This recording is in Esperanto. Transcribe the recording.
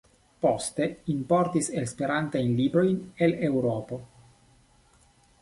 Poste importis Esperantajn librojn el Eŭropo.